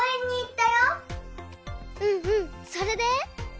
うんうんそれで？